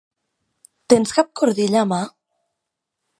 Tens cap cordill, a mà?